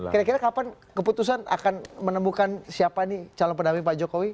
kira kira kapan keputusan akan menemukan siapa nih calon pendamping pak jokowi